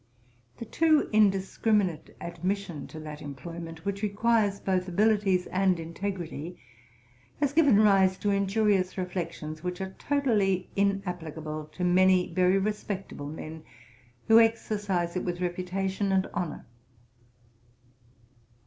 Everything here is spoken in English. The too indiscriminate admission to that employment, which requires both abilities and integrity, has given rise to injurious reflections, which are totally inapplicable to many very respectable men who exercise it with reputation and honour.